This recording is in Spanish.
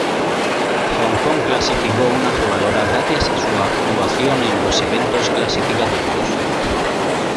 Hong Kong clasificó una jugadora gracias a su actuación en los eventos clasificatorios.